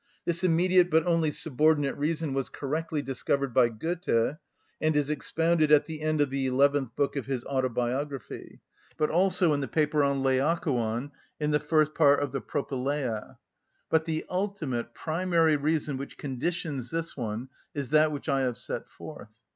This immediate but only subordinate reason was correctly discovered by Goethe, and is expounded at the end of the eleventh book of his autobiography, and also in the paper on Laocoon in the first part of the Propylæa; but the ultimate, primary reason, which conditions this one, is that which I have set forth.